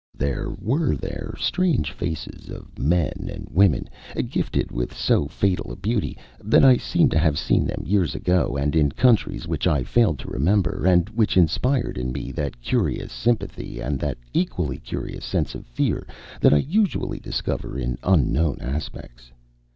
There were there strange faces of men and women, gifted with so fatal a beauty that I seemed to have seen them years ago and in countries which I failed to remember, and which inspired in me that curious sympathy and that equally curious sense of fear that I usually discover in unknown aspects.